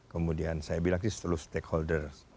kemudian saya bilang ini seluruh stakeholder